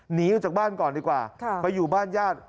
หนีออกจากบ้านก่อนดีกว่าไปอยู่บ้านญาติ